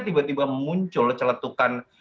tiba tiba muncul celetukan